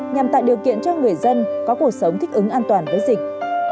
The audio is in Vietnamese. nhằm tạo điều kiện cho người dân có cuộc sống thích ứng an toàn với dịch